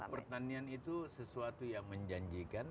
pertanian itu sesuatu yang menjanjikan